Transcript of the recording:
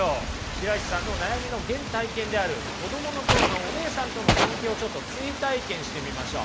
白石さんの悩みの原体験である子どもの頃のお姉さんとの関係をちょっと追体験してみましょう。